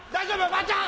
ばあちゃん。